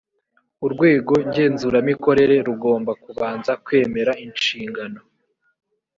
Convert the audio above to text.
urwego ngenzuramikorere rugomba kubanza kwemera inshingano